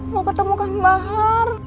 mau ketemu kang bahar